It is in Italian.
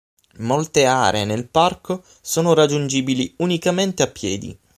Molte aree nel parco sono raggiungibili unicamente a piedi.